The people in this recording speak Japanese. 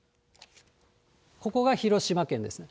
ここが広島県です。